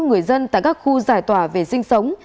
người dân tại các khu giải tỏa về sinh sống